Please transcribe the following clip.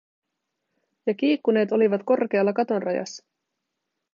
Ja kiikkuneet olivat korkealla katon rajassa.